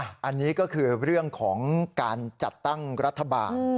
อันนี้ก็คือเรื่องของการจัดตั้งรัฐบาล